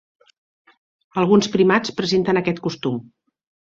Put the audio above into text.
Alguns primats presenten aquest costum.